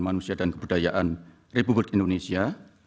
manusia dan kebudayaan republik indonesia